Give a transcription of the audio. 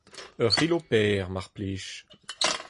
Ur c'hilo per, mar plij.